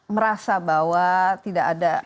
merasa bahwa tidak ada